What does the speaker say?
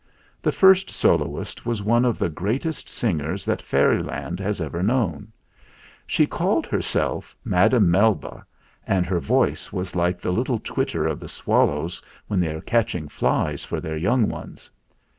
The first soloist was one of the greatest singers that Fairyland has ever known. She called her self Madame Melba, and her voice was like the 120 THE FLINT HEART little twitter of the swallows when they are catching flies for their young ones.